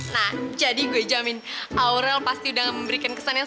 nah jadi gue jamin aurel pasti udah memberikan kesannya